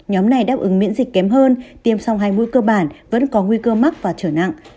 nhóm này đáp ứng miễn dịch kém hơn tiêm song hai mũi cơ bản vẫn có nguy cơ mắc và trở nặng